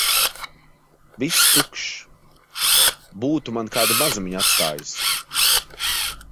Viss tukšs. Būtu man kādu mazumiņu atstājis!